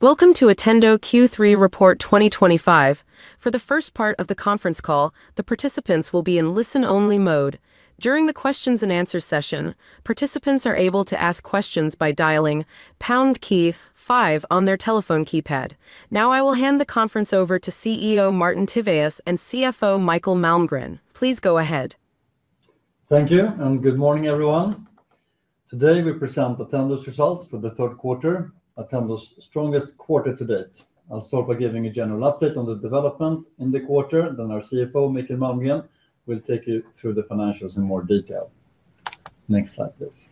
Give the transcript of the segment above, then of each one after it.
Welcome to Attendo Q3 Report 2025. For the first part of the conference call, the participants will be in listen-only mode. During the questions and answers session, participants are able to ask questions by dialing 5 on their telephone keypad. Now, I will hand the conference over to CEO Martin Tivéus and CFO Mikael Malmgren. Please go ahead. Thank you, and good morning, everyone. Today, we present Attendo's results for the third quarter, Attendo's strongest quarter to date. I'll start by giving a general update on the development in the quarter, then our CFO, Mikael Malmgren, will take you through the financials in more detail. Next slide, please.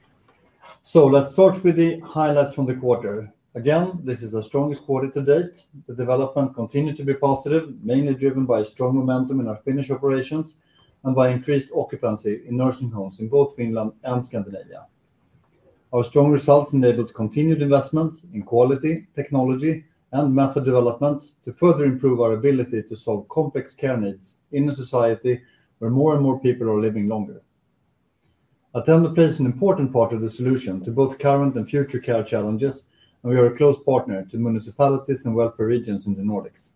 Let's start with the highlights from the quarter. This is our strongest quarter to date. The development continues to be positive, mainly driven by strong momentum in our Finnish operations and by increased occupancy in nursing homes in both Finland and Scandinavia. Our strong results enable continued investment in quality, technology, and method development to further improve our ability to solve complex care needs in a society where more and more people are living longer. Attendo plays an important part of the solution to both current and future care challenges, and we are a close partner to municipalities and welfare regions in the Nordics.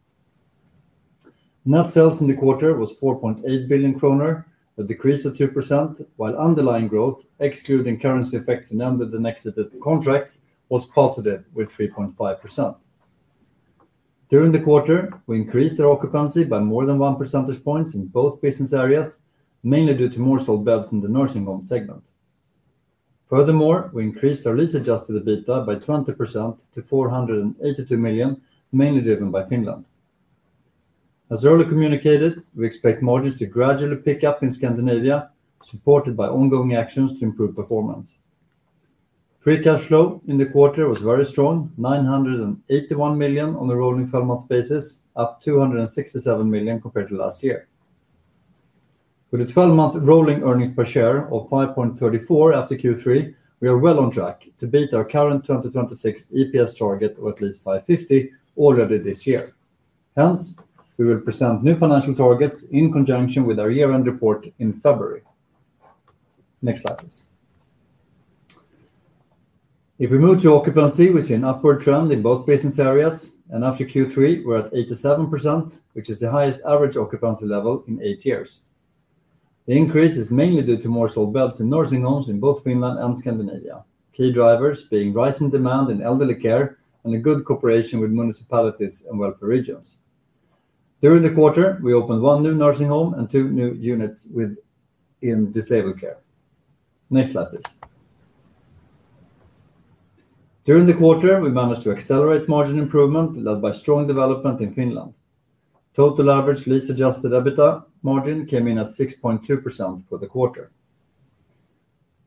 Net sales in the quarter were 4.8 billion kronor, a decrease of 2%, while underlying growth, excluding currency effects in entered and exited contracts, was positive with 3.5%. During the quarter, we increased our occupancy by more than one percentage point in both business areas, mainly due to more sold beds in the nursing home segment. Furthermore, we increased our lease adjusted EBITDA by 20% to 482 million, mainly driven by Finland. As earlier communicated, we expect margins to gradually pick up in Scandinavia, supported by ongoing actions to improve performance. Free cash flow in the quarter was very strong, 981 million on a rolling 12-month basis, up 267 million compared to last year. With a 12-month rolling earnings per share of 5.34 after Q3, we are well on track to beat our current 2026 EPS target of at least 5.50 already this year. We will present new financial targets in conjunction with our year-end report in February. Next slide, please. If we move to occupancy, we see an upward trend in both business areas, and after Q3, we're at 87%, which is the highest average occupancy level in eight years. The increase is mainly due to more sold beds in nursing homes in both Finland and Scandinavia, key drivers being rising demand in elderly care and a good cooperation with municipalities and welfare regions. During the quarter, we opened one new nursing home and two new units in disabled care. Next slide, please. During the quarter, we managed to accelerate margin improvement led by strong development in Finland. Total average lease adjusted EBITDA margin came in at 6.2% for the quarter.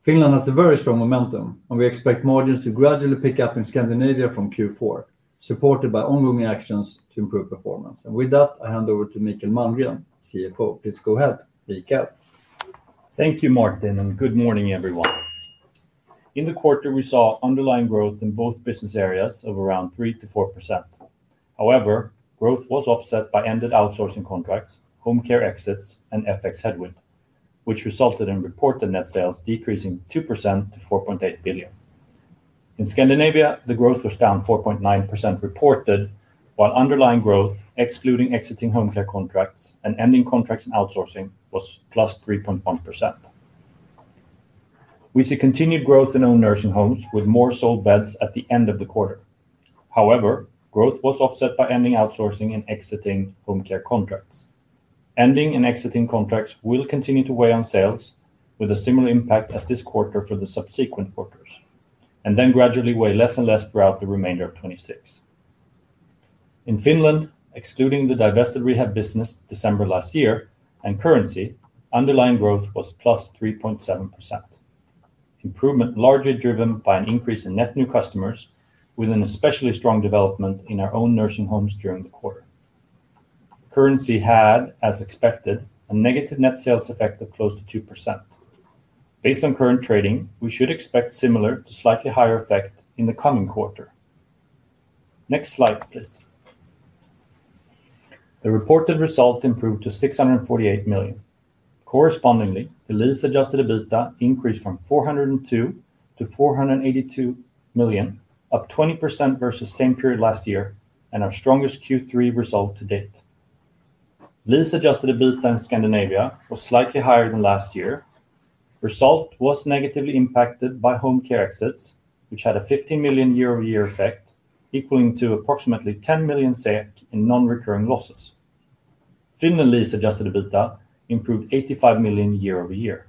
Finland has a very strong momentum, and we expect margins to gradually pick up in Scandinavia from Q4, supported by ongoing actions to improve performance. With that, I hand over to Mikael Malmgren, CFO. Please go ahead, Mikael. Thank you, Martin, and good morning, everyone. In the quarter, we saw underlying growth in both business areas of around 3% to 4%. However, growth was offset by ended outsourcing contracts, home care exits, and FX headwind, which resulted in reported net sales decreasing 2% to 4.8 billion. In Scandinavia, the growth was down 4.9% reported, while underlying growth, excluding exiting home care contracts and ending contracts in outsourcing, was plus 3.1%. We see continued growth in owned nursing homes with more sold beds at the end of the quarter. However, growth was offset by ending outsourcing and exiting home care contracts. Ending and exiting contracts will continue to weigh on sales with a similar impact as this quarter for the subsequent quarters, and then gradually weigh less and less throughout the remainder of 2026. In Finland, excluding the divested rehab business December last year and currency, underlying growth was plus 3.7%. Improvement largely driven by an increase in net new customers, with an especially strong development in our owned nursing homes during the quarter. Currency had, as expected, a negative net sales effect of close to 2%. Based on current trading, we should expect a similar to slightly higher effect in the coming quarter. Next slide, please. The reported result improved to 648 million. Correspondingly, the lease adjusted EBITDA increased from 402 million to 482 million, up 20% versus the same period last year, and our strongest Q3 result to date. Lease adjusted EBITDA in Scandinavia was slightly higher than last year. The result was negatively impacted by home care exits, which had a 15 million year-over-year effect, equaling to approximately 10 million in non-recurring losses. Finland lease adjusted EBITDA improved 85 million year-over-year.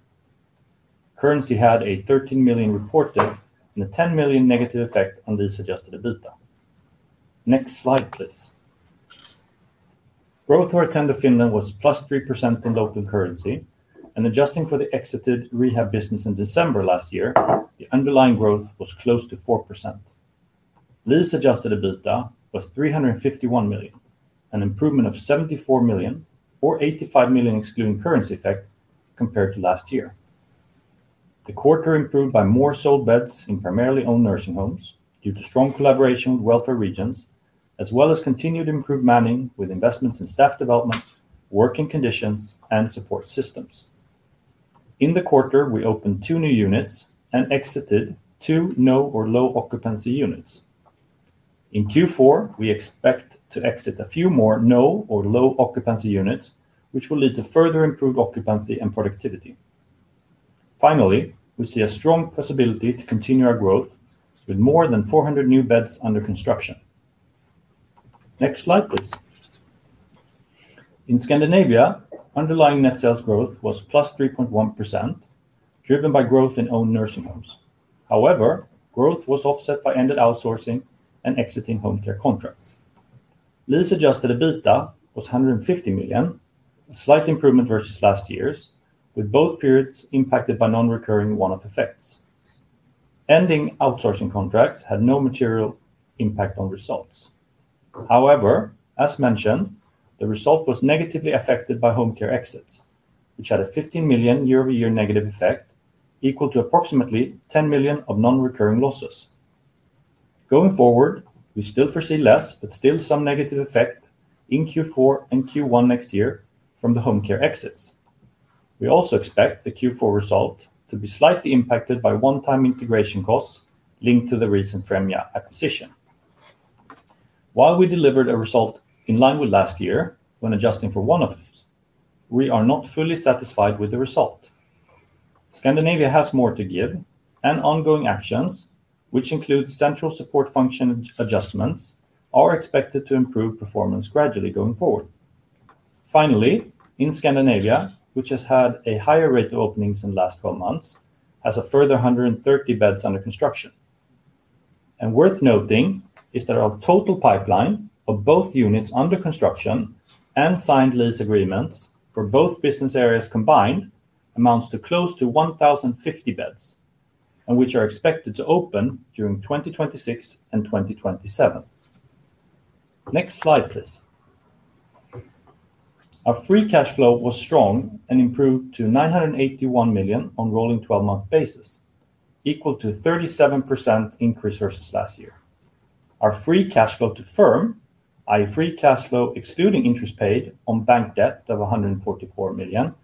Currency had a 13 million reported and a 10 million negative effect on lease adjusted EBITDA. Next slide, please. Growth for Attendo Finland was plus 3% in local currency, and adjusting for the exited rehab business in December last year, the underlying growth was close to 4%. Lease adjusted EBITDA was 351 million, an improvement of 74 million, or 85 million excluding currency effect compared to last year. The quarter improved by more sold beds in primarily owned nursing homes due to strong collaboration with welfare regions, as well as continued improved manning with investments in staff development, working conditions, and support systems. In the quarter, we opened two new units and exited two no or low occupancy units. In Q4, we expect to exit a few more no or low occupancy units, which will lead to further improved occupancy and productivity. Finally, we see a strong possibility to continue our growth with more than 400 new beds under construction. Next slide, please. In Scandinavia, underlying net sales growth was +3.1%, driven by growth in owned nursing homes. However, growth was offset by ended outsourcing and exiting home care contracts. Lease adjusted EBITDA was 150 million, a slight improvement versus last year's, with both periods impacted by non-recurring one-off effects. Ending outsourcing contracts had no material impact on results. However, as mentioned, the result was negatively affected by home care exits, which had a 15 million year-over-year negative effect, equal to approximately 10 million of non-recurring losses. Going forward, we still foresee less, but still some negative effect in Q4 and Q1 next year from the home care exits. We also expect the Q4 result to be slightly impacted by one-time integration costs linked to the recent Fremia acquisition. While we delivered a result in line with last year when adjusting for one-offs, we are not fully satisfied with the result. Scandinavia has more to give, and ongoing actions, which include central function adjustments, are expected to improve performance gradually going forward. Finally, Scandinavia, which has had a higher rate of openings in the last 12 months, has a further 130 beds under construction. It is worth noting that our total pipeline of both units under construction and signed lease agreements for both business areas combined amounts to close to 1,050 beds, which are expected to open during 2026 and 2027. Next slide, please. Our free cash flow was strong and improved to 981 million on a rolling 12-month basis, equal to a 37% increase versus last year. Our free cash flow to firm, i.e., free cash flow excluding interest paid on bank debt of 144 million,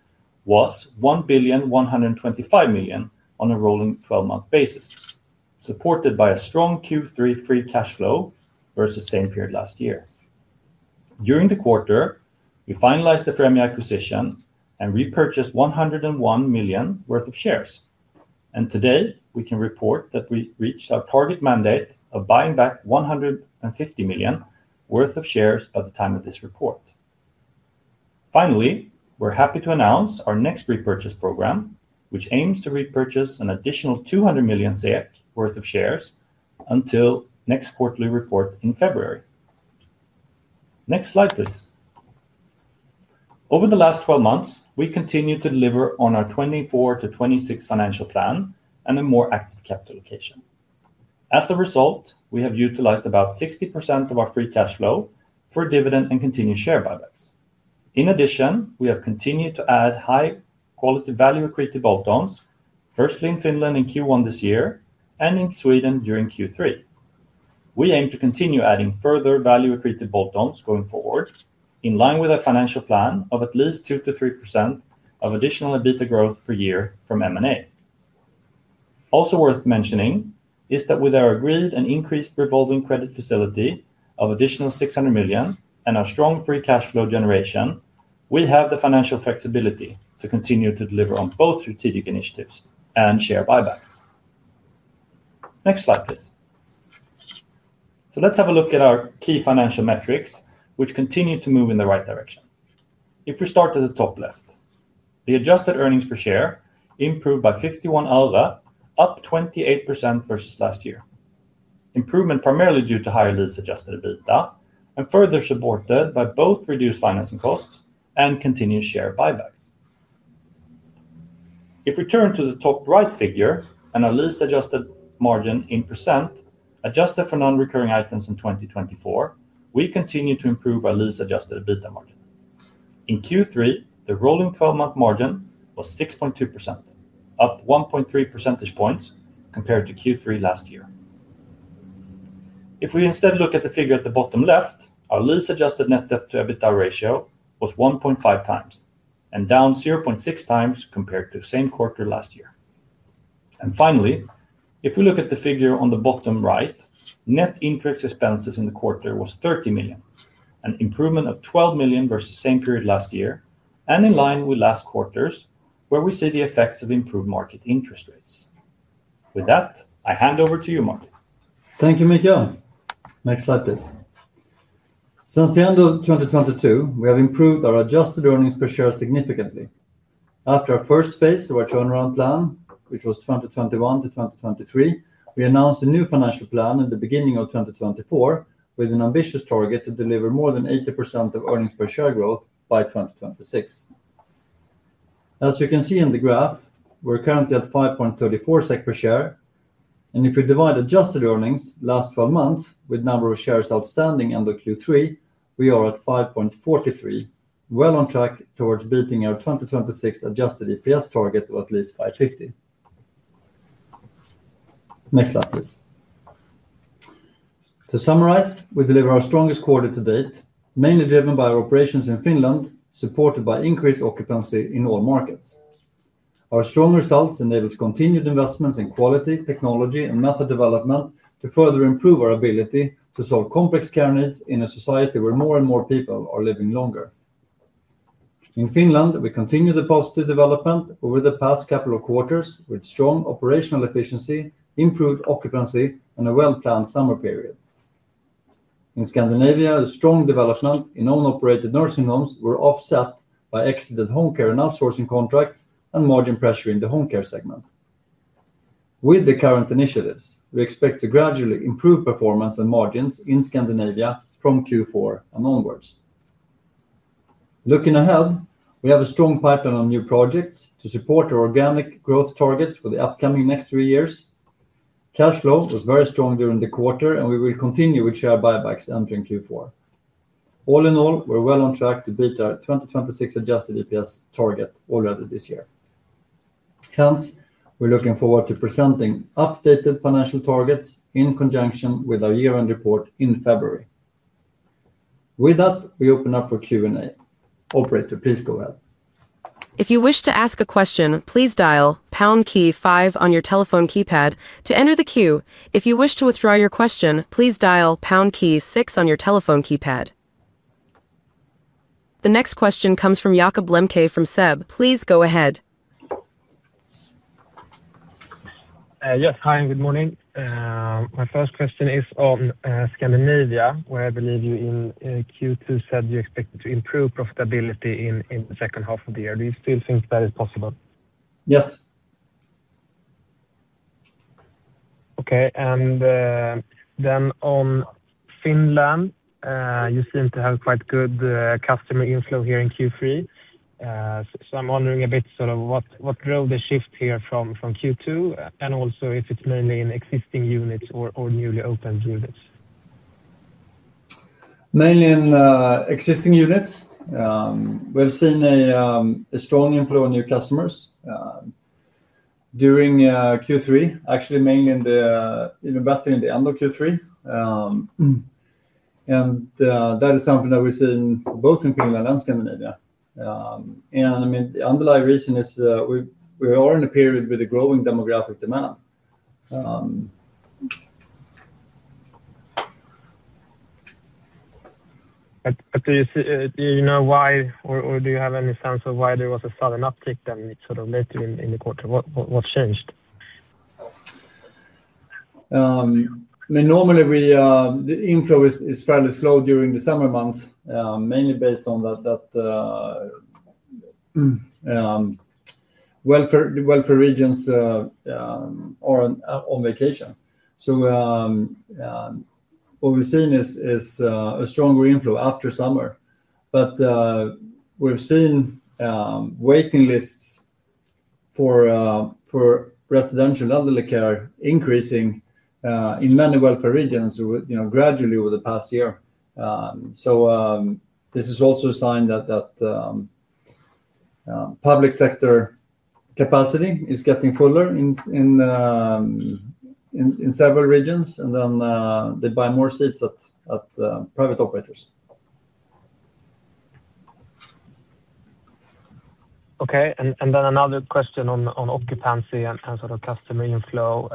was 1,125 million on a rolling 12-month basis, supported by a strong Q3 free cash flow versus the same period last year. During the quarter, we finalized the Fremia acquisition and repurchased 101 million worth of shares. Today, we can report that we reached our target mandate of buying back 150 million worth of shares by the time of this report. Finally, we're happy to announce our next repurchase program, which aims to repurchase an additional 200 million worth of shares until the next quarterly report in February. Next slide, please. Over the last 12 months, we continue to deliver on our '24 to '26 financial plan and a more active capital allocation. As a result, we have utilized about 60% of our free cash flow for dividend and continued share buybacks. In addition, we have continued to add high-quality value-accreted bolt-ons, firstly in Finland in Q1 this year and in Sweden during Q3. We aim to continue adding further value-accreted bolt-ons going forward, in line with our financial plan of at least 2 to 3% of additional EBITDA growth per year from M&A. Also worth mentioning is that with our agreed and increased revolving credit facility of additional 600 million and our strong free cash flow generation, we have the financial flexibility to continue to deliver on both strategic initiatives and share buybacks. Next slide, please. Let's have a look at our key financial metrics, which continue to move in the right direction. If we start at the top left, the adjusted EPS improved by 0.51, up 28% versus last year. Improvement primarily due to higher lease adjusted EBITDA and further supported by both reduced financing costs and continued share buybacks. If we turn to the top right figure and our lease adjusted margin in %, adjusted for non-recurring items in 2024, we continue to improve our lease adjusted EBITDA margin. In Q3, the rolling 12-month margin was 6.2%, up 1.3 percentage points compared to Q3 last year. If we instead look at the figure at the bottom left, our lease adjusted net debt to EBITDA ratio was 1.5 times and down 0.6 times compared to the same quarter last year. Finally, if we look at the figure on the bottom right, net increased expenses in the quarter was 30 million, an improvement of 12 million versus the same period last year and in line with last quarters, where we see the effects of improved market interest rates. With that, I hand over to you, Martin. Thank you, Mikael. Next slide, please. Since the end of 2022, we have improved our adjusted earnings per share significantly. After our first phase of our turnaround plan, which was 2021 to 2023, we announced a new financial plan at the beginning of 2024, with an ambitious target to deliver more than 80% of earnings per share growth by 2026. As you can see in the graph, we're currently at 5.34 SEK per share. If we divide adjusted earnings last 12 months with the number of shares outstanding end of Q3, we are at 5.43, well on track towards beating our 2026 adjusted EPS target of at least 5.50. Next slide, please. To summarize, we deliver our strongest quarter to date, mainly driven by our operations in Finland, supported by increased occupancy in all markets. Our strong results enable continued investments in quality, technology, and method development to further improve our ability to solve complex care needs in a society where more and more people are living longer. In Finland, we continue the positive development over the past couple of quarters with strong operational efficiency, improved occupancy, and a well-planned summer period. In Scandinavia, a strong development in owned operated nursing homes was offset by exited home care and outsourcing contracts and margin pressure in the home care segment. With the current initiatives, we expect to gradually improve performance and margins in Scandinavia from Q4 and onwards. Looking ahead, we have a strong pipeline on new projects to support our organic growth targets for the upcoming next three years. Cash flow was very strong during the quarter, and we will continue with share buybacks entering Q4. All in all, we're well on track to beat our 2026 adjusted EPS target already this year. Hence, we're looking forward to presenting updated financial targets in conjunction with our year-end report in February. With that, we open up for Q&A. Operator, please go ahead. If you wish to ask a question, please dial 5 on your telephone keypad to enter the queue. If you wish to withdraw your question, please dial 6 on your telephone keypad. The next question comes from Jakob Lemke from SEB. Please go ahead. Yes, hi and good morning. My first question is on Scandinavia, where I believe you in Q2 said you expected to improve profitability in the second half of the year. Do you still think that is possible? Yes. Okay, on Finland, you seem to have quite good customer inflow here in Q3. I'm wondering a bit what drove the shift here from Q2 and also if it's mainly in existing units or newly opened units. Mainly in existing units. We've seen a strong inflow in new customers during Q3, actually mainly even better in the end of Q3. That is something that we've seen both in Finland and Scandinavia. The underlying reason is we are in a period with a growing demographic demand. Do you know why or do you have any sense of why there was a sudden uptick later in the quarter? What changed? Normally, the inflow is fairly slow during the summer months, mainly based on that the welfare regions are on vacation. What we've seen is a stronger inflow after summer. We've seen waiting lists for residential elderly care increasing in many welfare regions gradually over the past year. This is also a sign that public sector capacity is getting fuller in several regions, and then they buy more seats at private operators. Okay, another question on occupancy and sort of customer inflow.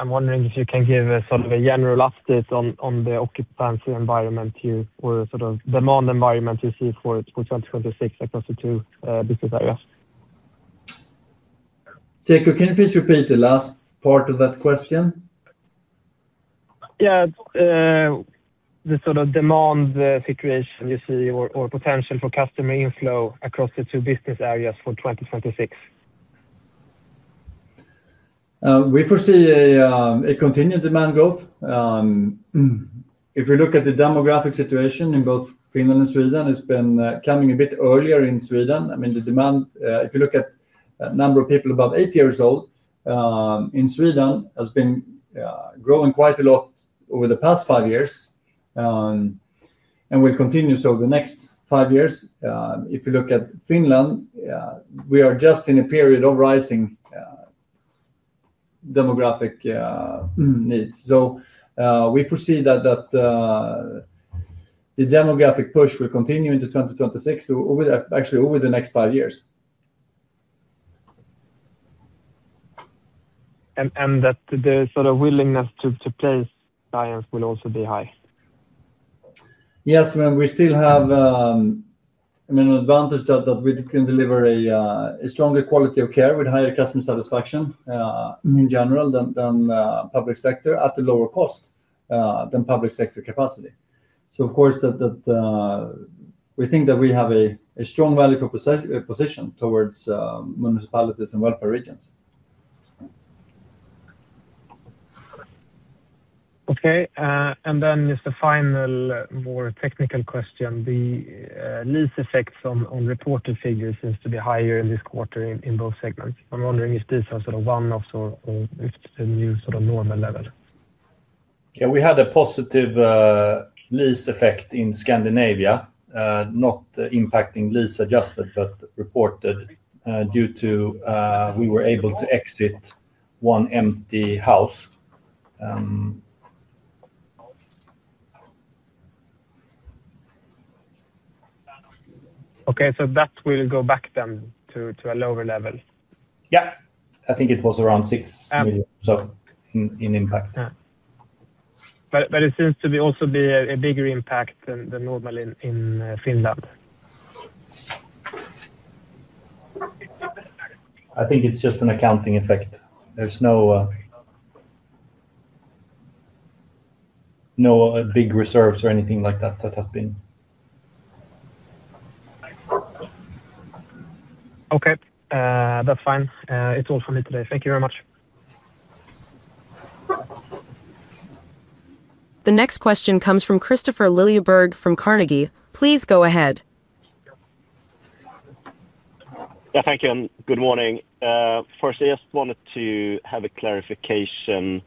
I'm wondering if you can give a sort of a general update on the occupancy environment or sort of demand environment you see for 2026 across the two business areas. Jakob, can you please repeat the last part of that question? The sort of demand situation you see or potential for customer inflow across the two business areas for 2026. We foresee a continued demand growth. If we look at the demographic situation in both Finland and Sweden, it's been coming a bit earlier in Sweden. I mean, the demand, if you look at the number of people above 80 years old in Sweden, has been growing quite a lot over the past five years and will continue over the next five years. If you look at Finland, we are just in a period of rising demographic needs. We foresee that the demographic push will continue into 2026, actually over the next five years. The sort of willingness to place clients will also be high. Yes, we still have an advantage that we can deliver a stronger quality of care with higher customer satisfaction in general than the public sector at a lower cost than public sector capacity. Of course, we think that we have a strong value proposition towards municipalities and welfare regions. Okay, just a final more technical question. The lease effects on reported figures seem to be higher in this quarter in both segments. I'm wondering if these are sort of one-offs or if it's a new sort of normal level. Yeah, we had a positive lease effect in Scandinavia, not impacting lease adjusted EBITDA but reported due to we were able to exit one empty house. Okay, that will go back to a lower level. I think it was around $6 million or so in impact. It seems to also be a bigger impact than normal in Finland. I think it's just an accounting effect. There's no big reserves or anything like that that has been. Okay, that's fine. It's all for me today. Thank you very much. The next question comes from Christopher Lilleberg from Carnegie. Please go ahead. Thank you and good morning. First, I just wanted to have a clarification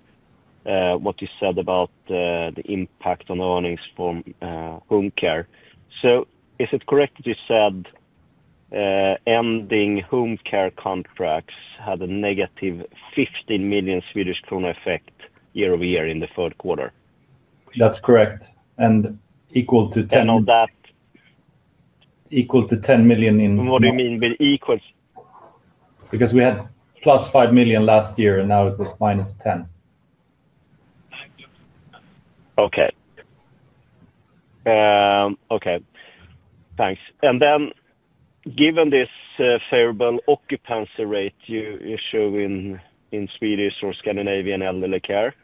on what you said about the impact on earnings from home care. Is it correct that you said ending home care contracts had a negative 15 million Swedish kronor effect year-over-year in the third quarter? That's correct and equal to $10 million. That is equal to $10 million. Because we had plus $5 million last year, and now it was minus $10 million. Okay, thanks. Given this favorable occupancy rate you show in Swedish or Scandinavian elderly care,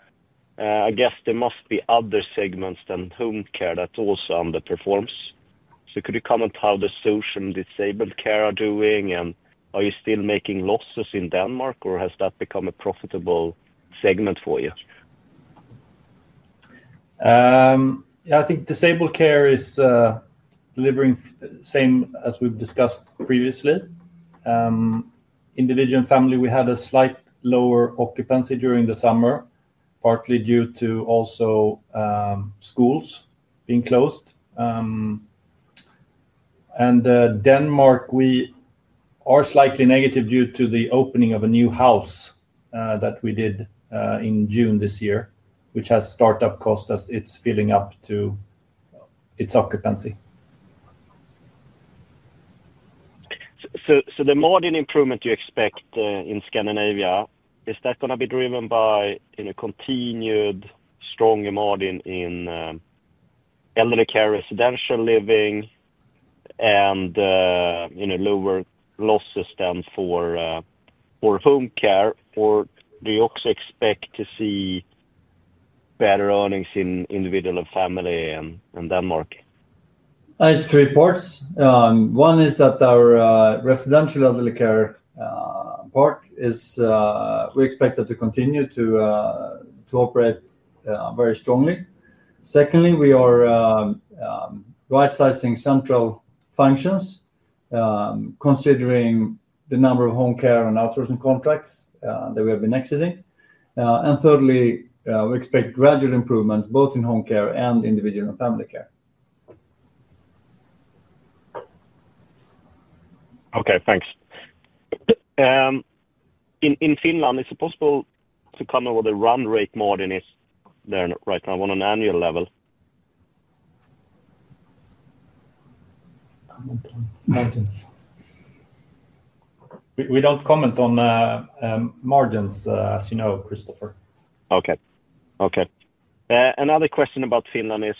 I guess there must be other segments than home care that also underperform. Could you comment how the social and disabled care are doing, and are you still making losses in Denmark or has that become a profitable segment for you? Yeah, I think disabled care is delivering the same as we've discussed previously. In the region family, we had a slightly lower occupancy during the summer, partly due to also schools being closed. Denmark, we are slightly negative due to the opening of a new house that we did in June this year, which has start-up cost as it's filling up to its occupancy. Is the margin improvement you expect in Scandinavia going to be driven by a continued stronger margin in elderly care residential living and lower losses than for home care, or do you also expect to see better earnings in individual and family in Denmark? It's three parts. One is that our residential elderly care part is, we expect that to continue to operate very strongly. Secondly, we are right-sizing central functions, considering the number of home care and outsourcing contracts that we have been exiting. Thirdly, we expect gradual improvements both in home care and individual and family care. Okay, thanks. In Finland, is it possible to come up with a run rate margin right now on an annual level? We don't comment on margins, as you know, Christopher. Okay. Another question about Finland is,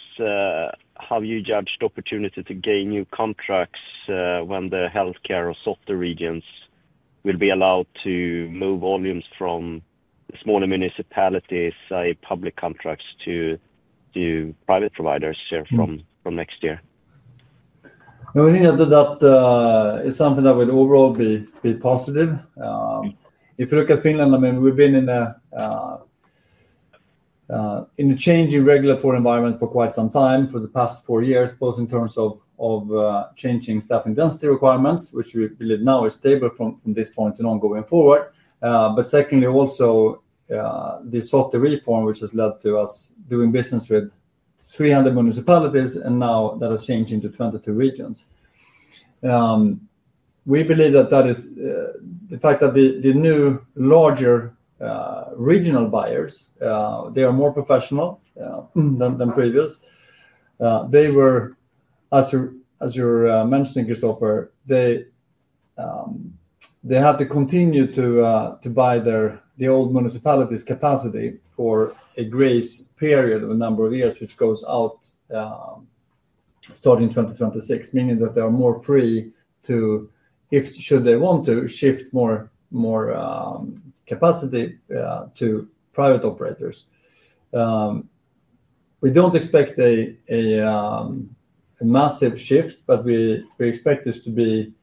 have you judged the opportunity to gain new contracts when the healthcare or welfare regions will be allowed to move volumes from the smaller municipalities, say public contracts, to private providers here from next year? I think that is something that would overall be positive. If you look at Finland, I mean, we've been in a changing regulatory environment for quite some time, for the past four years, both in terms of changing staffing density requirements, which we believe now is stable from this point and on going forward. Secondly, also the softer reform, which has led to us doing business with 300 municipalities, and now that has changed into 22 regions. We believe that the fact that the new larger regional buyers, they are more professional than previous. They were, as you're mentioning, Christopher, they had to continue to buy the old municipalities' capacity for a grace period of a number of years, which goes out starting 2026, meaning that they are more free to, if should they want to, shift more capacity to private operators. We don't expect a massive shift, but we expect this to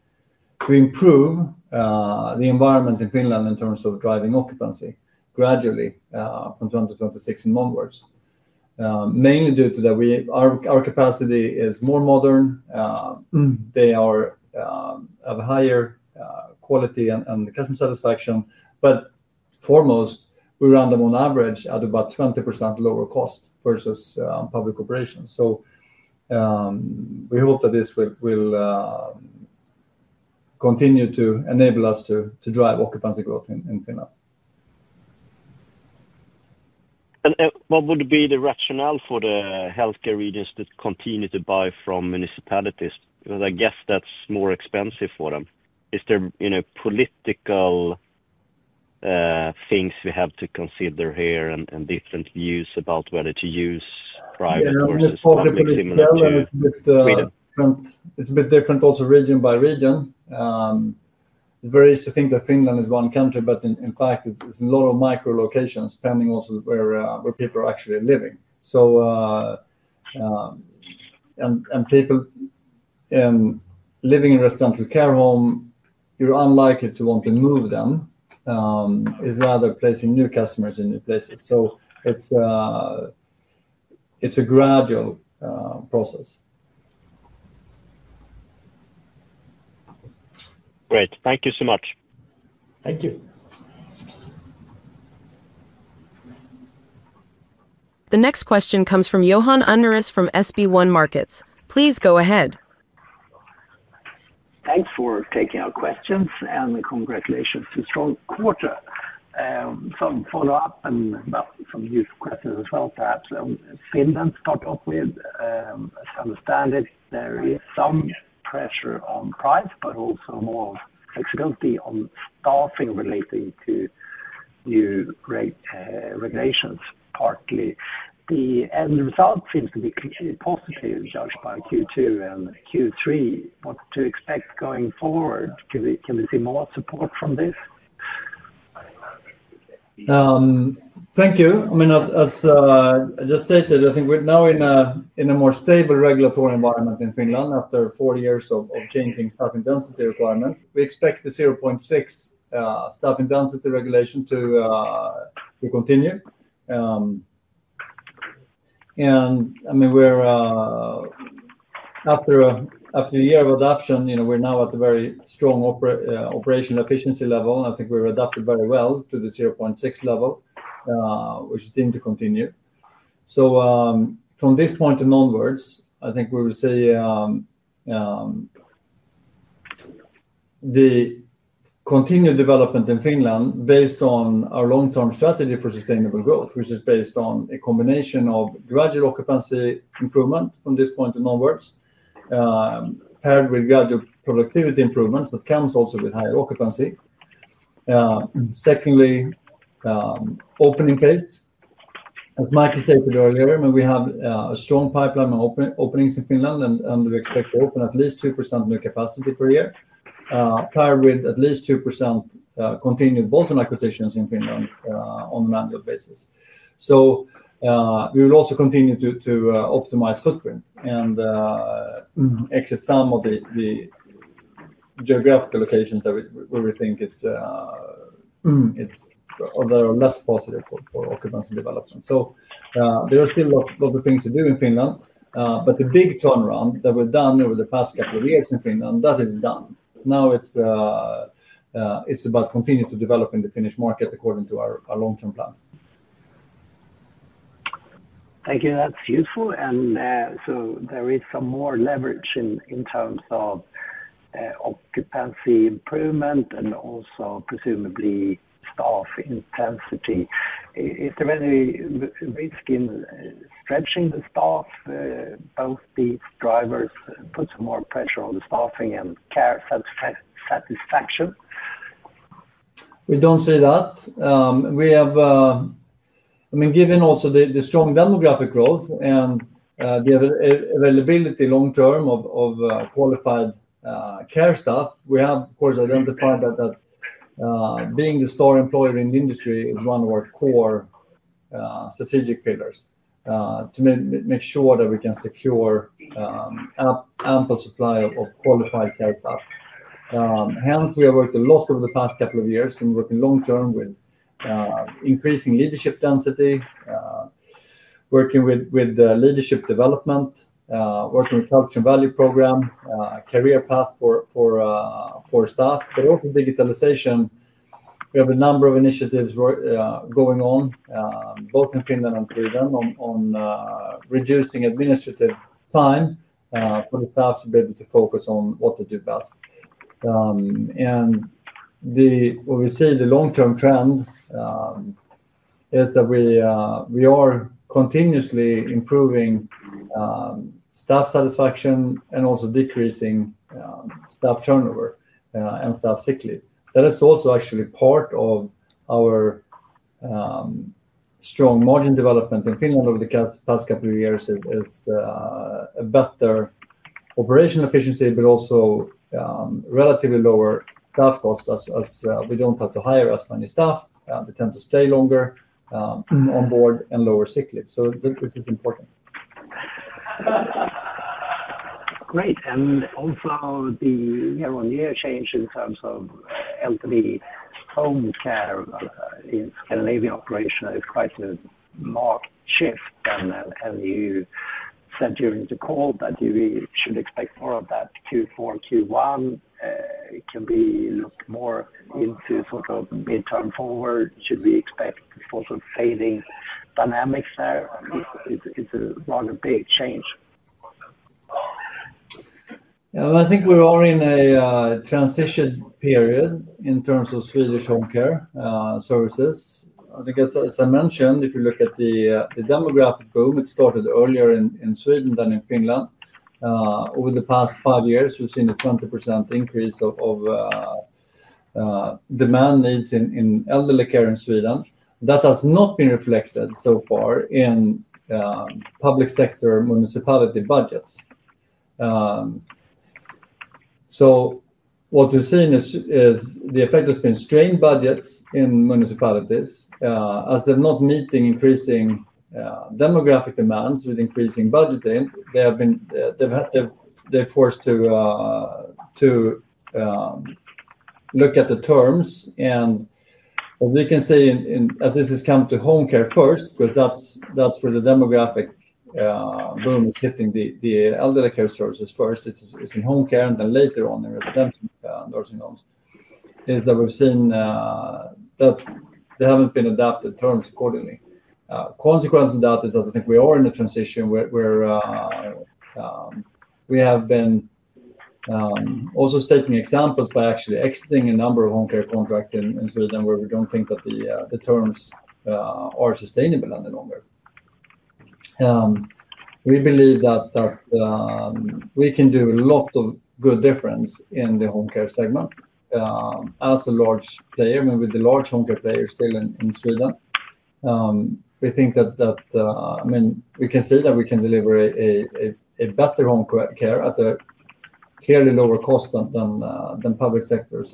improve the environment in Finland in terms of driving occupancy gradually from 2026 and onwards. Mainly due to that, our capacity is more modern. They have a higher quality and customer satisfaction. Foremost, we run them on average at about 20% lower cost versus public operations. We hope that this will continue to enable us to drive occupancy growth in Finland. What would be the rationale for the healthcare regions to continue to buy from municipalities? I guess that's more expensive for them. Is there political things we have to consider here and different views about whether to use private versus municipality? Yeah, I mean, it's a bit different also region by region. It's very easy to think that Finland is one country, but in fact, it's a lot of micro-locations depending also where people are actually living. People living in residential care homes, you're unlikely to want to move them. It's rather placing new customers in new places. It's a gradual process. Great, thank you so much. Thank you. The next question comes from Johan Anders from SB One Markets. Please go ahead. Thanks for taking our questions and congratulations to a strong quarter. Some follow-up and some useful questions as well, perhaps. Finland started off with, as I understand it, there is some pressure on price, but also more flexibility on staffing relating to new regulations, partly. The end result seems to be positively judged by Q2 and Q3. What to expect going forward? Can we see more support from this? Thank you. As I just stated, I think we're now in a more stable regulatory environment in Finland after 40 years of changing staffing density requirements. We expect the 0.6 staffing density regulation to continue. After a year of adoption, we're now at a very strong operational efficiency level, and I think we've adapted very well to the 0.6 level, which is deemed to continue. From this point onwards, I think we will see the continued development in Finland based on our long-term strategy for sustainable growth, which is based on a combination of gradual occupancy improvement from this point onwards, paired with gradual productivity improvements that come also with higher occupancy. Secondly, opening pace. As Martin Tivéus stated earlier, we have a strong pipeline of openings in Finland, and we expect to open at least 2% new capacity per year, paired with at least 2% continued bolt-on acquisitions in Finland on an annual basis. We will also continue to optimize footprint and exit some of the geographical locations where we think they are less positive for occupancy development. There are still a lot of things to do in Finland, but the big turnaround that was done over the past couple of years in Finland, that is done. Now it's about continuing to develop in the Finnish market according to our long-term plan. Thank you. That's useful. There is some more leverage in terms of occupancy improvement and also presumably staff intensity. Is there any risk in stretching the staff? Both these drivers put some more pressure on the staffing and care satisfaction? We don't see that. I mean, given also the strong demographic growth and the availability long-term of qualified care staff, we have, of course, identified that being the star employer in the industry is one of our core strategic pillars to make sure that we can secure an ample supply of qualified care staff. Hence, we have worked a lot over the past couple of years in working long-term with increasing leadership density, working with leadership development, working with culture and value program, career path for staff, but also digitalization. We have a number of initiatives going on both in Finland and Sweden on reducing administrative time for the staff to be able to focus on what they do best. What we see, the long-term trend is that we are continuously improving staff satisfaction and also decreasing staff turnover and staff sick leave. That is also actually part of our strong margin development in Finland over the past couple of years is a better operational efficiency, but also relatively lower staff costs as we don't have to hire as many staff. They tend to stay longer on board and lower sick leave. This is important. Great. The year-on-year change in terms of elderly home care in Scandinavian operation is quite a marked shift. You said during the call that you should expect more of that Q4 Q1. Can we look more into sort of midterm forward? Should we expect a sort of fading dynamics there? It's a rather big change. Yeah, I think we're all in a transition period in terms of Swedish home care services. I think, as I mentioned, if you look at the demographic boom, it started earlier in Sweden than in Finland. Over the past five years, we've seen a 20% increase of demand needs in elderly care in Sweden. That has not been reflected so far in public sector municipality budgets. What we've seen is the effect has been strained budgets in municipalities. As they're not meeting increasing demographic demands with increasing budgeting, they're forced to look at the terms. As we can see, this has come to home care first, because that's where the demographic boom is hitting the elderly care services first, it's in home care, and then later on in residential nursing homes, we've seen that they haven't been adapted terms accordingly. A consequence of that is that I think we are in a transition where we have been also stating examples by actually exiting a number of home care contracts in Sweden where we don't think that the terms are sustainable any longer. We believe that we can do a lot of good difference in the home care segment as a large player, and with the large home care players still in Sweden. We think that, I mean, we can see that we can deliver a better home care at a clearly lower cost than public sector.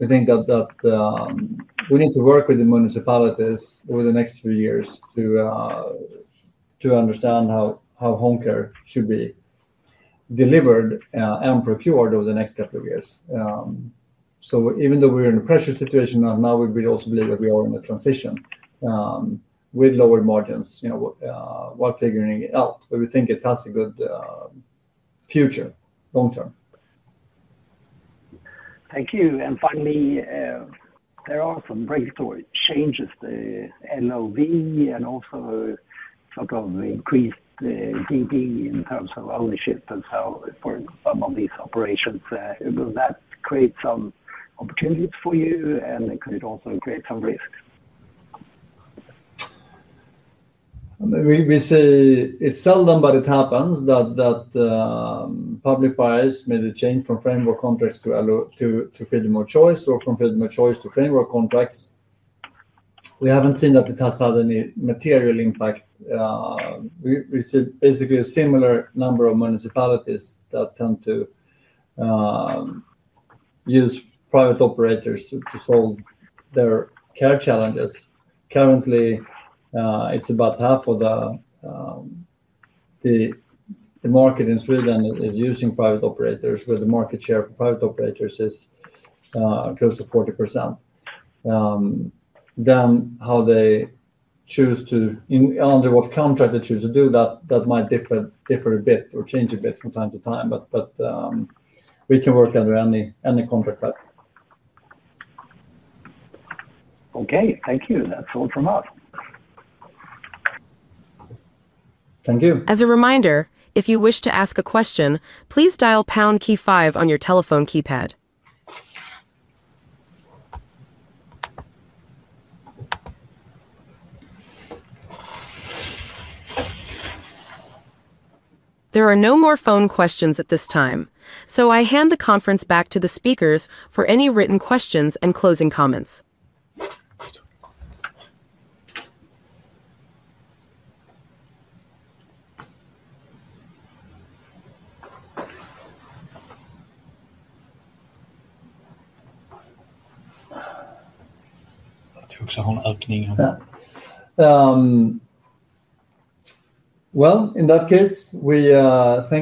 We think that we need to work with the municipalities over the next few years to understand how home care should be delivered and procured over the next couple of years. Even though we're in a pressure situation now, we also believe that we are in a transition with lower margins, we're figuring it out, but we think it has a good future long-term. Thank you. Finally, there are some regulatory changes, the LOV, and also increased DB in terms of ownership and so forth for some of these operations. Will that create some opportunities for you, and could it also create some risks? We see it's seldom, but it happens that public buyers may change from framework contracts to freedom of choice or from freedom of choice to framework contracts. We haven't seen that it has had any material impact. We see basically a similar number of municipalities that tend to use private operators to solve their care challenges. Currently, it's about half of the market in Sweden that is using private operators, where the market share for private operators is close to 40%. How they choose to, under what contract they choose to do, that might differ a bit or change a bit from time to time, but we can work under any contract type. Okay, thank you. That's all from us. Thank you. As a reminder, if you wish to ask a question, please dial pound key five on your telephone keypad. There are no more phone questions at this time. I hand the conference back to the speakers for any written questions and closing comments. Thank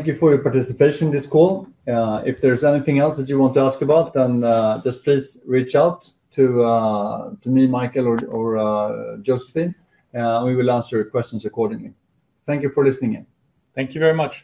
you for your participation in this call. If there's anything else that you want to ask about, just please reach out to me, Mikael, or Josephine. We will answer your questions accordingly. Thank you for listening in. Thank you very much.